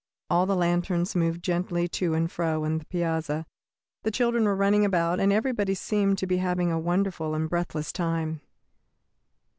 All the lanterns moved gently to and fro on the piazza; the children were running about, and everybody seemed to be having a beautiful and breathless time.